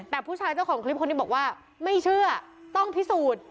แต่ผู้ชายเจ้าของคลิปคนนี้บอกว่าไม่เชื่อต้องพิสูจน์